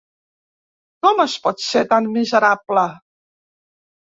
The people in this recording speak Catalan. Com es pot ser tan miserable?